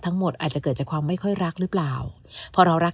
อาจจะเกิดจากความไม่ค่อยรักหรือเปล่าพอเรารัก